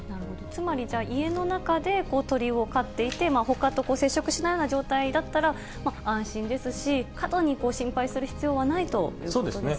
つまりじゃあ、家の中で鳥を飼っていて、ほかと接触しないような状態だったら、安心ですし、過度に心配する必要はないということですね。